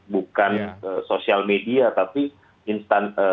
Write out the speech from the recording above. bukan sosial media tapi instan